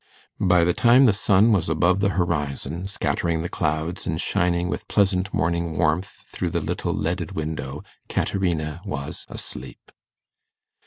By the time the sun was above the horizon, scattering the clouds, and shining with pleasant morning warmth through the little leaded window, Caterina was asleep.